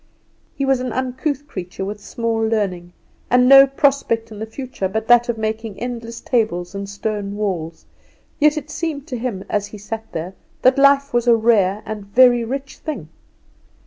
He was an uncouth creature with small learning, and no prospect in the future but that of making endless tables and stone walls, yet it seemed to him as he sat there that life was a rare and very rich thing.